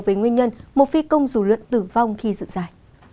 về nguyên nhân một phi công dù lượn tử vong khi dựng giải